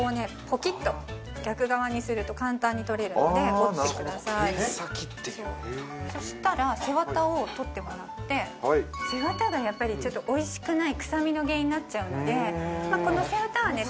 ポキッと逆側にすると簡単に取れるので折ってくださいそしたら背ワタを取ってもらって背ワタがやっぱりおいしくない臭みの原因になっちゃうのでこの背ワタはね